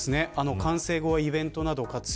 完成後はイベントなど活用